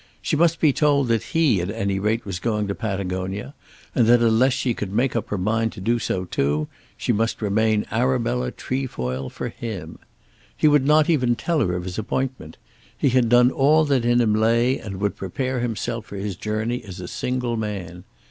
She must be told that he at any rate was going to Patagonia, and that unless she could make up her mind to do so too, she must remain Arabella Trefoil for him. He would not even tell her of his appointment. He had done all that in him lay and would prepare himself for his journey as a single man.